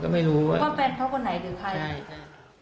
ก็ไม่รู้ว่าเป็นเพราะคนไหนหรือใคร